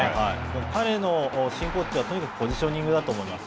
彼の真骨頂はとにかくポジショニングだと思います。